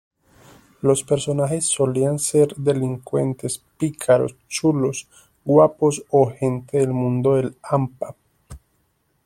Los personajes solían ser delincuentes, pícaros, chulos, guapos o gente del mundo del hampa.